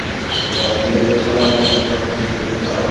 পরে ধীরে ধীরে সময় ও সংখ্যা বৃদ্ধি করিতে পার।